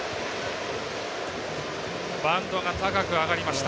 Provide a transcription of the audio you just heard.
バウンドが高く上がりました。